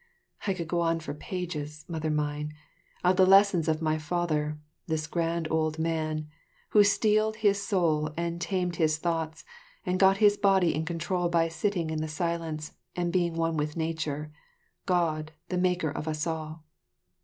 I could go on for pages, Mother mine, of the lessons of my father, this grand old man, "who steeled his soul and tamed his thoughts and got his body in control by sitting in the silence and being one with nature, God, the maker of us all."